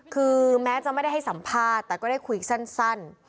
คือแม้จะไม่ได้ให้สัมภาษณ์แต่ก็ได้คุยสั้น